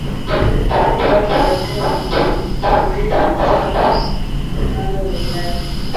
Baadhi ya watu wamekuwa wakijiuliza kuwa Rose muhando ni nani